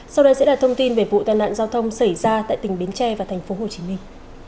sau đây sẽ là thông tin về vụ tai nạn giao thông xảy ra tại tỉnh bến tre và thành phố hồ chí minh